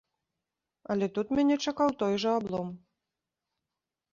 Але тут мяне чакаў той жа аблом.